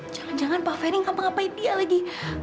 jangan jangan pak ferry ngampang ngapain dia lagi